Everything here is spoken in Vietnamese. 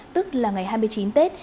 tức là ngày hai mươi chín tết